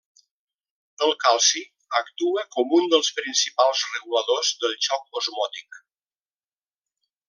El calci actua com un dels principals reguladors del xoc osmòtic.